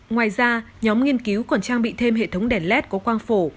ngoài ra nhóm nghiên cứu còn trang bị thêm hệ thống đèn led có quang phổ